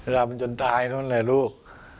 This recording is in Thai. ทำจนตายนั่นแหละลูก